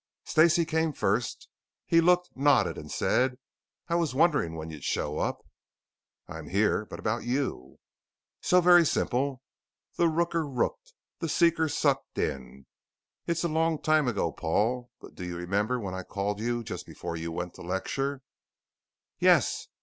Stacey came first. He looked, nodded, and said: "I was wondering when you'd show up." "I'm here. But about you?" "So very simple. The rooker rooked, the seeker sucked in. It's a long time ago, Paul but do you remember when I called you just before you went to lecture?" "Yes.